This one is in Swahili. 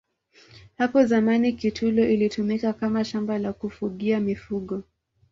hapo zamani kitulo ilitumika Kama shamba la kufugia mifugo